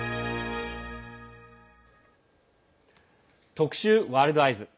特集「ワールドＥＹＥＳ」。